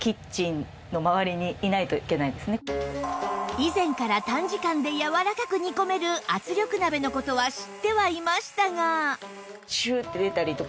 以前から短時間でやわらかく煮込める圧力鍋の事は知ってはいましたが